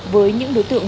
với những đối tượng